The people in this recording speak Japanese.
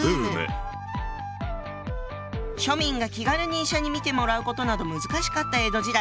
庶民が気軽に医者に診てもらうことなど難しかった江戸時代。